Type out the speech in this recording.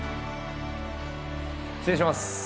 失礼します！